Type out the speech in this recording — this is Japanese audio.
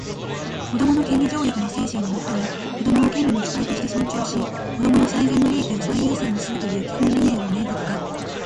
「子どもの権利条約」の精神にのっとり、子供を権利の主体として尊重し、子供の最善の利益を最優先にするという基本理念を明確化